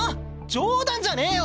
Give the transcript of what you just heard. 冗談じゃねえよ！